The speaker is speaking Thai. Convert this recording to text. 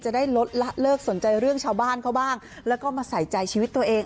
ได้ลดละเลิกสนใจเรื่องชาวบ้านเขาบ้างแล้วก็มาใส่ใจชีวิตตัวเอง